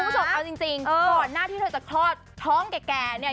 คุณผู้ชมเอาจริงก่อนหน้าที่เธอจะคลอดท้องแก่เนี่ย